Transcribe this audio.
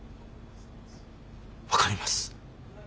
分かります。